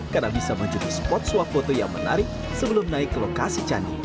karena bisa mencukupi spot swap foto yang menarik sebelum naik ke lokasi candi